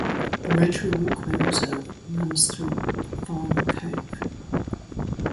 The Rotary Walkway Reserve runs through Farm Cove.